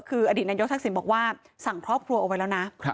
คืออดีตนายกทักษิณบอกว่าสั่งครอบครัวเอาไว้แล้วนะ